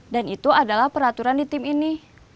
dan itu adalah peraturan di tim ini